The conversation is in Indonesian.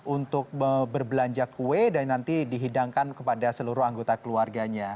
untuk berbelanja kue dan nanti dihidangkan kepada seluruh anggota keluarganya